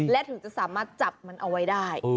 และถึงจะสามารถจับมันเอาไว้ได้